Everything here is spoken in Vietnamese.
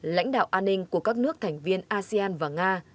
lãnh đạo an ninh của các nước thành viên asean và nga